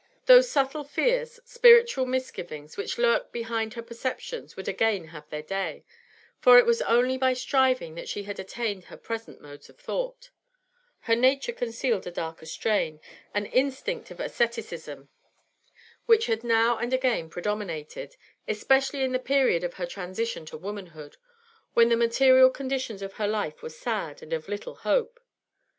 Those subtle fears, spiritual misgivings, which lurked behind her perceptions would again have their day, for it was only by striving that she had attained her present modes of thought; her nature concealed a darker strain, an instinct of asceticism, which had now and again predominated, especially in the period of her transition to womanhood, when the material conditions of her life were sad and of little hope.